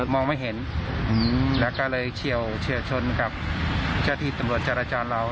มองไม่เห็นแล้วก็เลยเชี่ยวเชี่ยวชนครับเจ้าที่ตำรวจจราจรเรา